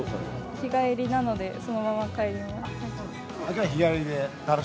日帰りなので、そのまま帰ります。